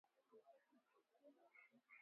Thailand imekuwa ni kituo kikuu na sehemu ya mpito